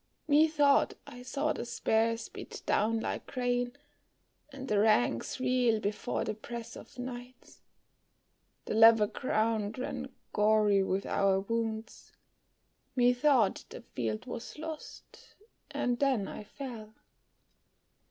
"Methought I saw the spears beat down like grain, And the ranks reel before the press of knights; The level ground ran gory with our wounds; Methought the field was lost, and then I fell."